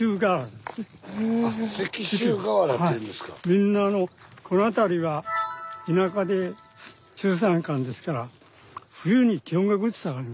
みんなあのこの辺りは田舎で中山間ですから冬に気温がぐっと下がる。